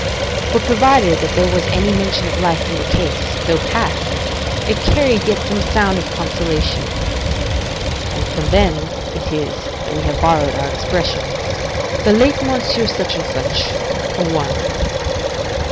22:] for, provided there was any mention of life in the case, though past, it carried yet some sound of consolation. And from them it is that we have borrowed our expression, "The late Monsieur such and such a one." ["feu Monsieur un tel."